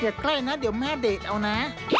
ใกล้นะเดี๋ยวแม่เดทเอานะ